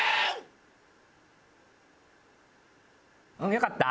よかった？